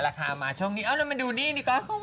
แล้วค่ะมาช่วงนี้เอาละมาดูนี่ดีก็ค่ะ